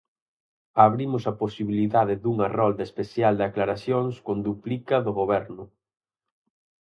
Abrimos a posibilidade dunha rolda especial de aclaracións con duplica do Goberno.